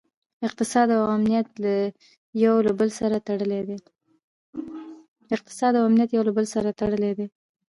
اقتصاد او امنیت یو له بل سره تړلي دي